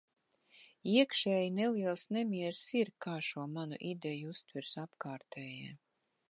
Iekšēji neliels nemiers ir, kā šo manu ideju uztvers apkārtējie.